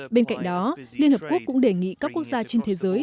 bên cạnh đó liên hợp quốc cũng đề nghị các quốc gia trên thế giới